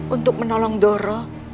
untuk menolong doro